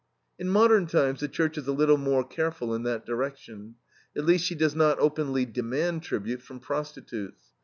In modern times the Church is a little more careful in that direction. At least she does not openly demand tribute from prostitutes.